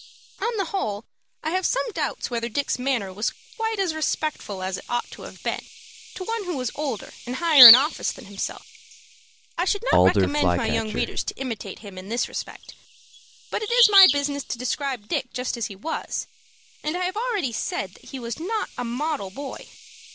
On the whole, I have some doubts whether Dick's manner was quite as respectful as it ought to have been to one who was older and higher in office than himself. I should not recommend my young readers to imitate him in this respect. But it is my business to describe Dick just as he was, and I have already said that he was not a model boy.